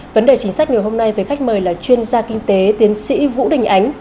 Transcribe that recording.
vấn đề chính sách ngày hôm nay với khách mời là chuyên gia kinh tế tiến sĩ vũ đình ánh